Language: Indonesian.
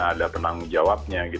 ada penanggung jawabnya